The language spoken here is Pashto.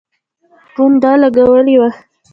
پونډه لګولي وه.